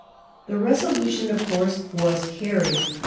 The resolution, of course, was carried.